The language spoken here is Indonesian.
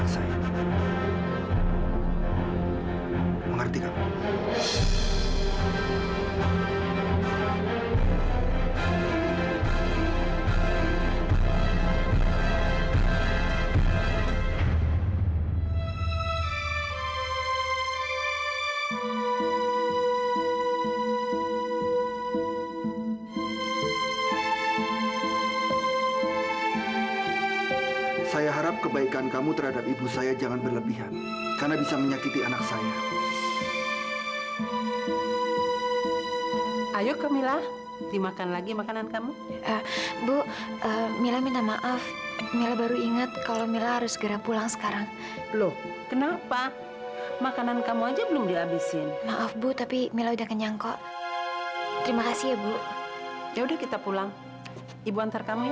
sampai jumpa di video selanjutnya